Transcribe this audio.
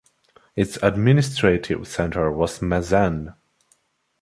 Its administrative centre was Mezen.